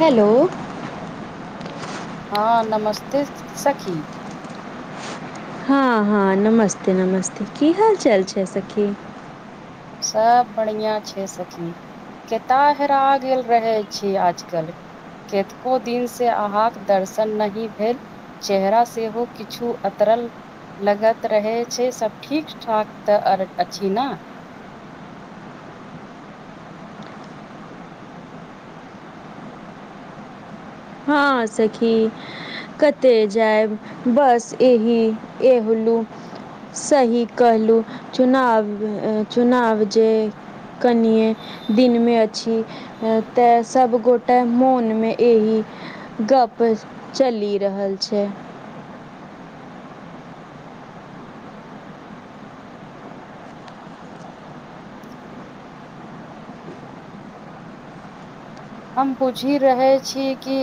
Hello. हँ नमस्ते सखी। हँ हँ नमस्ते नमस्ते, की हाल चाल छै सखी। सब बढ़िया छै सखी। केतय हेरा गेल रहै छी आजकल। केतको दिन से अहाँके दर्शन नहि भेल। चेहरा सेहो किछु उतरल लगैत रहै छै, सब ठीक ठाक त अछि ने? हँ सखी। कतय जायब, बस एहि एहलू। सही कहलहुँ, चुनाव चुनाव जे कनिये दिनमे अछि। त सबगोटे मोनमे एहि गप चलि रहल छै। हम पुछि रहल छी कि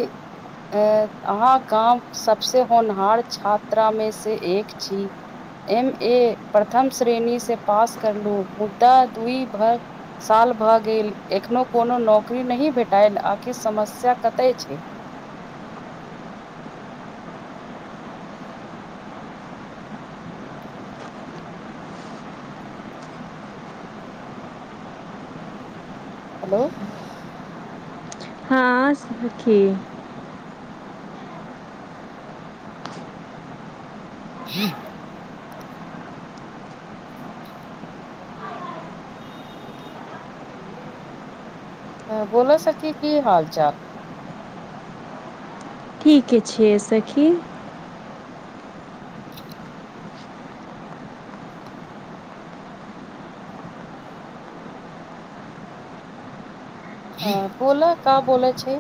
अहाँ गामक सभसे होनहार छात्रामे से एक छी। एम ए प्रथम श्रेणी से पास कर लू मुदा दुइ भर साल भए गेल एखनो कोनो नौकरी नहि भेटल आखिर समस्या ततै छै। हेलो। हां सखी। [unintelligible] हँ बोलू सखी की हाल चाल। ठीक छै सखी। हँ बोलु का बोलै छी।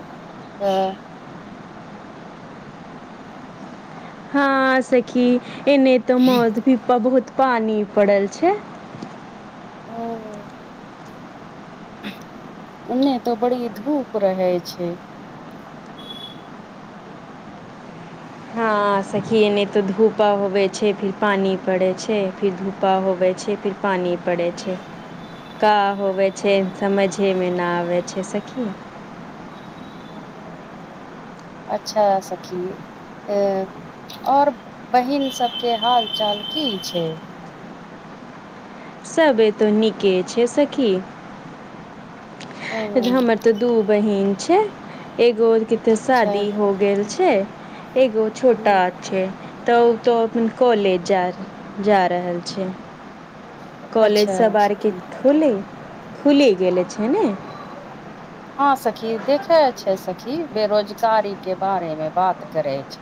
हँ सखी एने ते मौध भी बहुत पानी पड़ल छै। [unintelligible] एने तऽ बड़ी धूप रहय छैय। हँ सखि एनि तऽ धूप उगै छैय, फिर पानि पड़ै छैय, फिर धूपा उगै छैय, फिर पानि पड़ै छैय। का होबै छैय समझे मे न आबे छैय सखी। अच्छा सखी ए और बहिन सब के हाल चाल की छैय। सबे तऽ नीके छैय सखी। हमर ते दू बहिन छैय एगो के तऽ अच्छा शादी हो गेल छैय एगो छोटा छैय। तऽ ओ तो अपन कॉलेज जा जा रहल छैय। कॉलेज अच्छा सब आर के सखी खुले खुलि गेले छैय ने। हँ सखी देखे छैय सखी बेरोजगारी के बारे मे बात करैत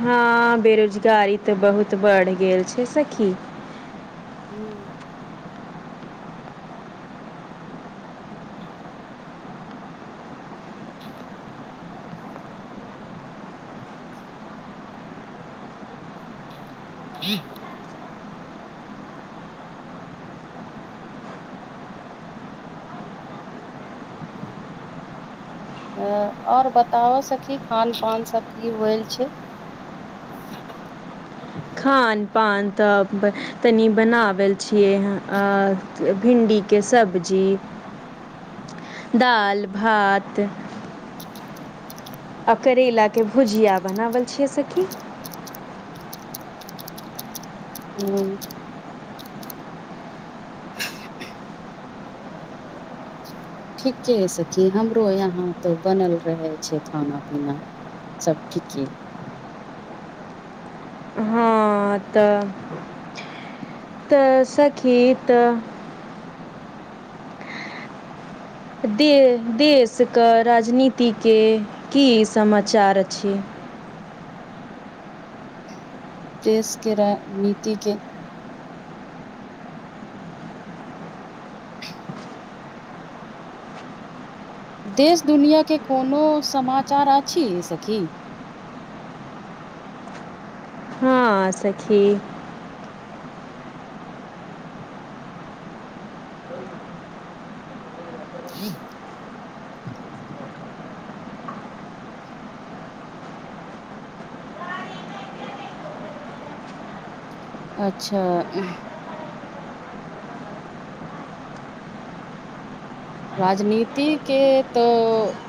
हँ बेरोजगारी तऽ बहुत बढ़ गेल छैय सखी। हूँ। [unintelligible] और बताउ सखी खान पान सब की होय छैय। खान पान तऽ तनि बनाबै छियै अ भिंडी के सब्जी, दाल-भात आ करैलाके भुजिया बनाबल छियै सखी [unintelligible] ठीके ये सखी हमरो यहाँ तऽ बनल रहय छैय खाना-पीना। सब ठीके हँ। ह तऽ तऽ सखी तऽ दे देशके राजनीतिके की समाचार छैय। देशके राज नीतिके देश दुनिया के कोनो समाचार अछि सखी। हाँ सखी। [inaudible] अच्छा उंह राजनीति के तो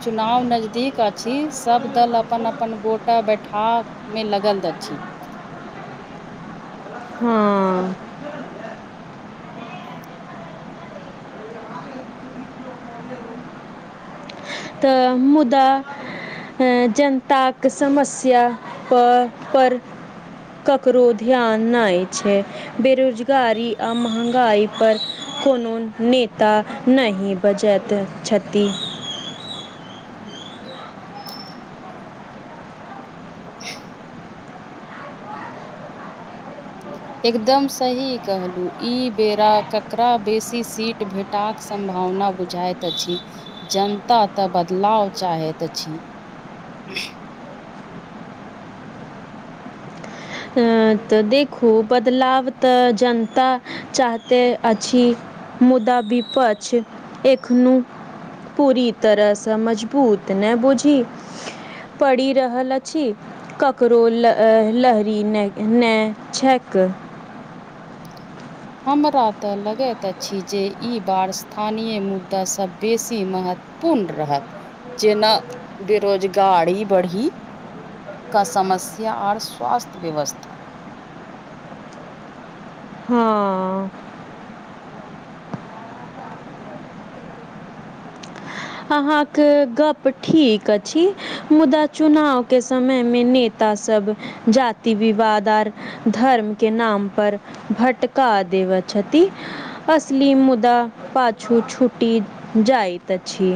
चुनाव नजदीक अछि सब दल अपन अपन गोटा बैठाब मे लगल अछि। हँ। तऽ मुदा ऐं जनताक समस्या प पर ककरो ध्यान नै छैय। बेरोजगारी आ महँगाइ पर कोनो नेता नहि बजत छति। [inaudible] एकदम सही कहलहु ई बेरा ककरा बेसी सीट भेट टाक सम्भावना बुझाइत अछि। जनता तऽ बदलाव चाहैत अछि। [unintelligible] अं तऽ देखू बदलाव तऽ जनता चाहते अछि। मुदा बिपक्ष एखनो पूरी तरहसँ मजबूत ने बोझी पड़ि रहल अछि ककरो ल ल ने ने छक हमरा तऽ लगैत अछि जे ई बार स्थानीय मुद्दासँ बेसी महत्व पूर्ण रहत जेना बेरोजगारी बढ़ी क समस्या आओर स्वास्थ्य व्यवस्था हँ। अहाँके गप ठीक अछि मुदा चुनाव के समय मे ने ता सब जाति विवाद आर धर्म के नाम पर भटका देव छथि। असली मुदा पाछू छूट जाइतइत अछि।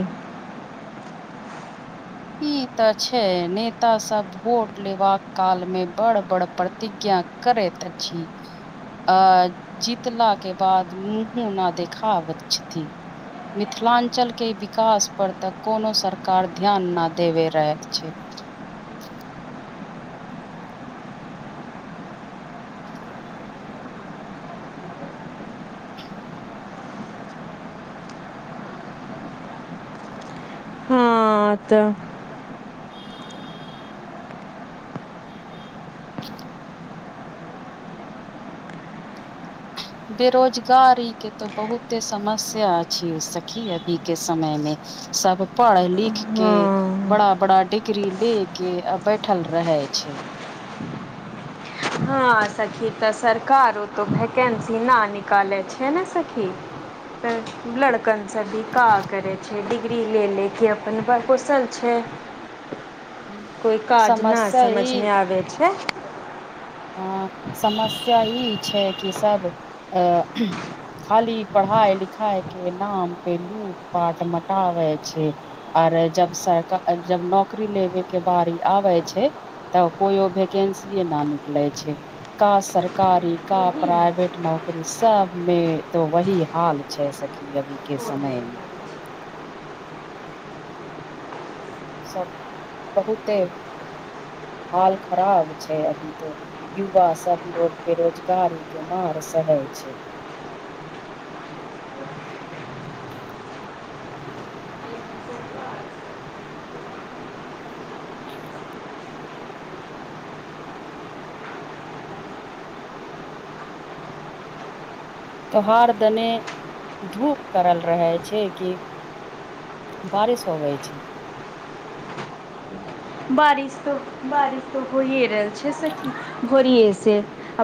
ई तऽ छै नेता सब भोट लेबाका काल मे बड़ बड़ प्र प्रतिज्ञा करैत अछि। अ जीतला के बाद मुँहो न देखावथ छथि। मिथिलाञ्चल के विकास पर तऽ कोनो सरकार ध्यान न देबे रहै छै। हाँ त बेरोजगारी के तऽ बहुते समस्या ओ सखी अभी के समय मे सब पढ़ लिखके हाँ बड़ा बड़ा डिग्री ले के बैठल रह छै। ह सखी तऽ सरकारो तऽ वैकेन्सी नहि निकालै छै नहि सखी। तऽ लड़कन सभ भी का करै छै? डिग्री लऽ ले क अपन कुशल छै। कोइ काज न समस्या ई समझमे आबे छै। हँ समस्या ई छै कि सभ अ खाली पढ़ाइ लिखाइ के नाम पे लूट पाट मटाबे छै। आरे जब सरकार जब नौकरी लेबे के बारी आबे छै। तऽ कोइओ भैकेंसीए न निकलै छै। का सरकारी का प्राइवेट नौकरी सबमें तो वही हाल छै सखी। अभी के समय मे। सब बहुते हाल खराब छै अभी तो। युवा सब लोग बेरोजगारी के मार सहे छै। त्योहार देने धूप करल रहै छै कि? बारिश होबइ छै? बारिश तो बारिश तो होइए रहल छै सखी भोरिेए से।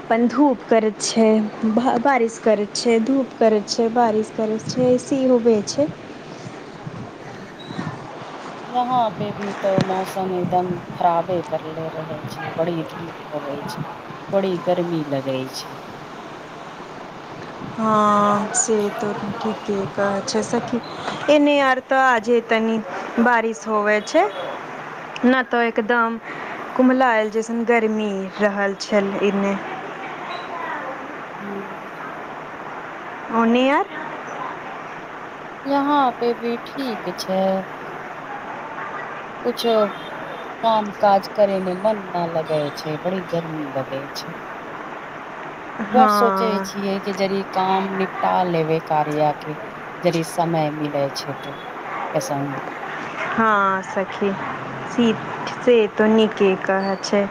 अपन धूप करैत छै। बारिश करै छै। धूप करै छै। बारिश करै छै। ऐसे होबे छै। [inaudible] यहाँ पे भी तो मौसम एकदम खराबे करले रहे छै। बड़ी धूप होवै छै। बड़ी गर्मी लगै छै। हँ से तऽ ठीक। की कह छै सखी ए नहि आर तऽ आजे तनि बारिश होवे छै। न तऽ एकदम कुमलायल जैसन गरमी रहल छल एने। ह ओ नियर यहाँ पे भी ठीक छै कुछो। काम काज करे में मन न लगे छै, बड़ी गर्मी लगे छै। बड़ सोचे हँ छियै के यदि काम निपटा लेबे कार्य के, यदि समय मिले छै तऽ अस ह सखी! से त नीके कह छै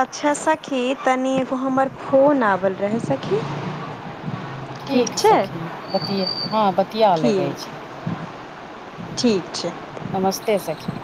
अच्छा सखी! तनि एगो हमर फोन आबल रहै सखी। ठीक सखी, बतियए हँ बति किया लेबे छै ठीक ठीक छै नमस्ते सखी!